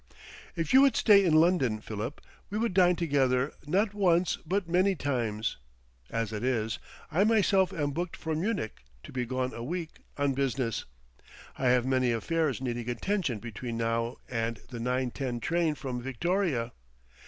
"If you would stay in London, Philip, we would dine together not once but many times; as it is, I myself am booked for Munich, to be gone a week, on business. I have many affairs needing attention between now and the nine ten train from Victoria.